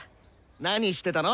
何してたの？